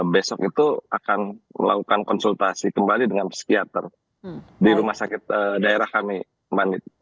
besok itu akan melakukan konsultasi kembali dengan psikiater di rumah sakit daerah kami mbak nit